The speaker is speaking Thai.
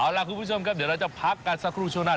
เอาล่ะคุณผู้ชมครับเดี๋ยวเราจะพักกันสักครู่ช่วงหน้า